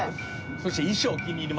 そして衣装気に入りましてね